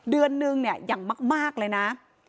เดือนนึงเนี่ยอย่างมากเลยนะ